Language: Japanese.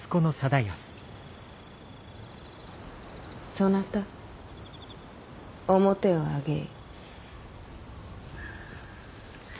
そなた面を上げい。